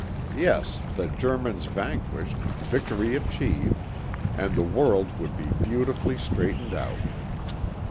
Yes, the Germans vanquished, victory achieved, and the world would be beautifully straightened out.